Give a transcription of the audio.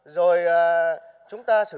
rồi chúng ta sử dụng